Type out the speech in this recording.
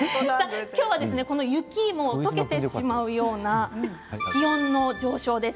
雪もとけてしまいそうな気温の上昇です。